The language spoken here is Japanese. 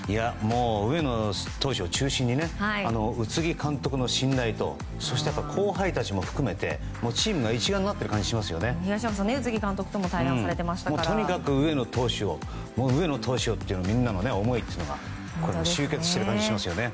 上野投手を中心に宇津木監督の信頼とそして後輩たちも含めてチームが一丸になっている東山さん、監督ともとにかく上野投手をというみんなの思いというのが集結している感じがしますよね。